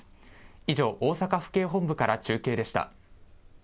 以上、大阪府警本部から中継でした。